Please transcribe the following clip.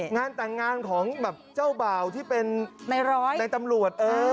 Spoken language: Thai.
งานแต่งงานของแบบเจ้าบ่าวที่เป็นในตำรวจ